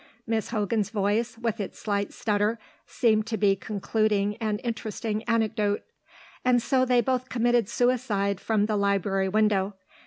Miss Hogan's voice, with its slight stutter, seemed to be concluding an interesting anecdote. "And so they both committed suicide from the library window.